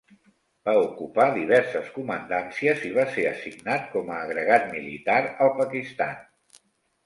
Va ocupar diverses comandàncies i va ser assignat com a agregat militar al Pakistan.